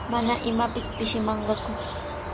Mana imapis pishimanqaku.